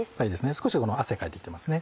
少し汗かいてきてますね。